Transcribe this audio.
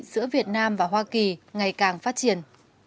giữa việt nam và hoa kỳ ngày càng phát triển